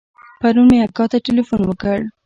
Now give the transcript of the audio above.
پرون مې اکا ته ټېلفون وکړ.